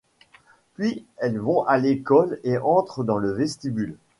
Puis elles vont à l’école et entrent dans le vestibule.